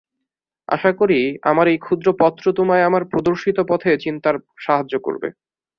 আশা করি, আমার এই ক্ষুদ্র পত্র তোমায় আমার প্রদর্শিত পথে চিন্তার সাহায্য করবে।